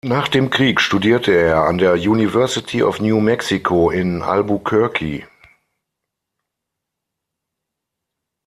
Nach dem Krieg studierte er an der University of New Mexico in Albuquerque.